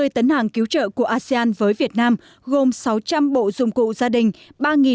hai mươi tấn hàng cứu trợ của asean với việt nam gồm sáu trăm linh bộ dụng cụ gia đình